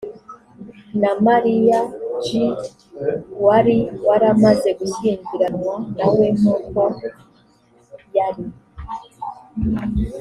na mariya j wari waramaze gushyingiranwa na we nk uko yari